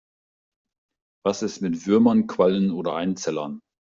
Was ist mit Würmern, Quallen oder Einzellern?